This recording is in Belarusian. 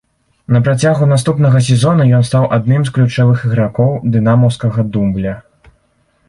На працягу наступнага сезона ён стаў адным з ключавых ігракоў дынамаўскага дубля.